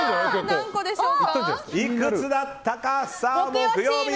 いくつだったか木曜日